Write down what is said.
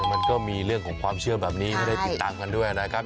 มันก็มีเรื่องของความเชื่อแบบนี้ให้ได้ติดตามกันด้วยนะครับ